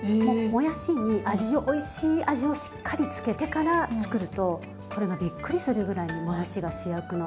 もやしに味をおいしい味をしっかり付けてから作るとこれがびっくりするぐらいにもやしが主役の。